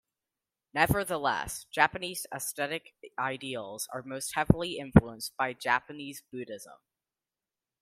Nevertheless, Japanese aesthetic ideals are most heavily influenced by Japanese Buddhism.